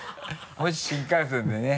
もし新幹線でね